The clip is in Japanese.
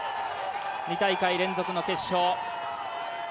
２大会連続の決勝。